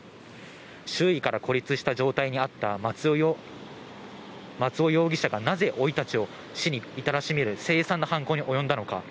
周囲から孤立した状態にあった松尾容疑者がなぜおいたちを死に至らしめる凄惨な犯行に及んだのか。